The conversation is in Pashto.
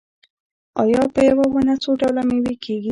آیا په یوه ونه څو ډوله میوه کیږي؟